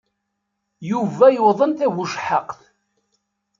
Yuba yuḍen tabucehhaqt.